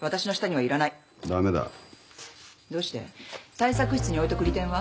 対策室に置いとく利点は？